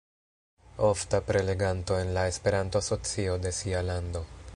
Ofta preleganto en la Esperanto-asocio de sia lando.